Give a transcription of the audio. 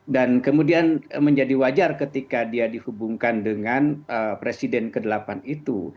dan kemudian menjadi wajar ketika dia dihubungkan dengan presiden ke delapan itu